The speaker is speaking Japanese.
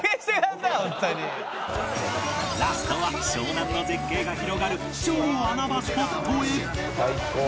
ラストは湘南の絶景が広がる超穴場スポットへ